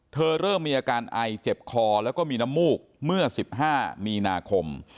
เริ่มมีอาการไอเจ็บคอแล้วก็มีน้ำมูกเมื่อ๑๕มีนาคม